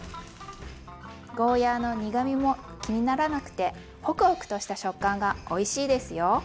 ゴーヤーの苦みも気にならなくてホクホクとした食感がおいしいですよ。